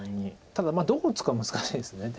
ただどこ打つか難しいです右上。